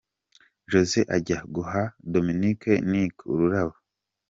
Jose ajya guha Dominic Nic ururabo.